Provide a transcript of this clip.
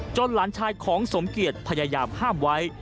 หลานชายของสมเกียจพยายามห้ามไว้